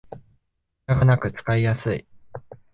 ムダがなく使いやすい